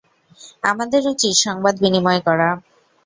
আমাদের উচিত সংবাদ বিনিময় করা।